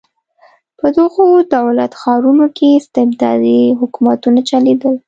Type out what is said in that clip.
په دغو دولت ښارونو کې استبدادي حکومتونه چلېدل.